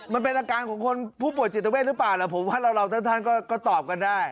มันเป็นอาการของคนผู้ปวดจิตเตอร์เพศหรือเปล่าผมว่าเราทั้งก็ตอบกันได้